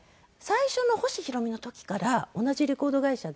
最初の星ひろみの時から同じレコード会社で。